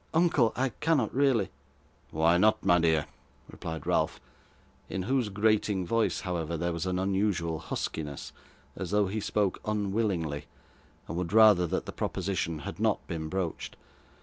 Uncle, I cannot really ' 'Why not, my dear?' replied Ralph, in whose grating voice, however, there was an unusual huskiness, as though he spoke unwillingly, and would rather that the proposition had not been broached.